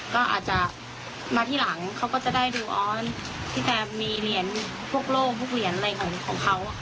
ก็อาจจะมาที่หลังเขาก็จะได้ดูออสที่แพรมีเหรียญพวกโล่งพวกเหรียญอะไรของเขา